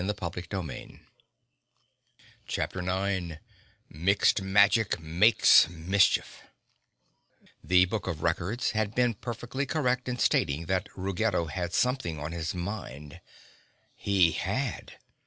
[Illustration: (unlabelled)] Chapter 9 Mixed Magic Makes Mischief The Book of Records had been perfectly correct in stating that Ruggedo had something on his mind. _He had!